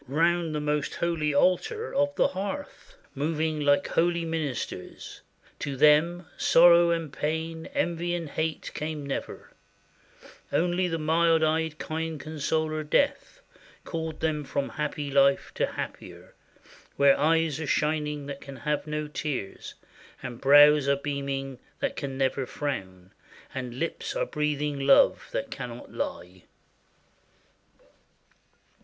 Round the most holy altar of the hearth Moving like holy ministers. To them Sorrow and pain, envy and hate, came never; Only the mild eyed kind consoler, Death, Called them from happy life to happier, Where eyes are shining that can have no tears, And brows are beaming that can never frown. And lips are breathing love that cannot lie.